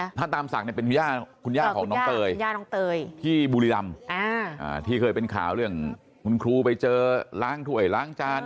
นี่ท่านตามศักดิ์เป็นคุณยาของน้องเตยที่บุรีรำที่เคยเป็นข่าวเรื่องคุณครูไปเจอล้างไท่ล้างจาน